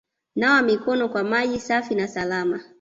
Nawa mikono kwa maji safi na salama